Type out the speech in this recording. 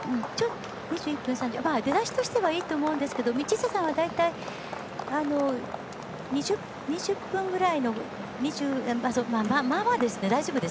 出だしとしてはいいと思うんですけど道下さんは、大体２０分ぐらいのまあまあですね。